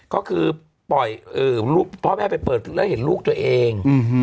ก็คือปล่อยพ่อแม่ไปเปิดแล้วเห็นลูกตัวเอง